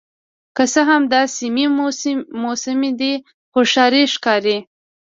که څه هم دا سیمې موسمي دي خو ښاري ښکاري